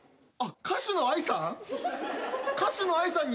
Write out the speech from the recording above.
歌手のＡＩさん？